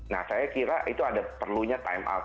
nah saya kira itu ada perlunya time out